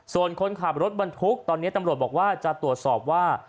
ส่วนคนขับรถบรรทุกตอนนี้ตำรวจบอกว่าจะตรวจสอบว่า